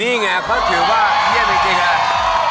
นี่ไงก็ถือว่าเยี่ยมจริง